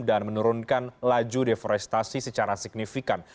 dan menurunkan laju deforestasi secara signifikan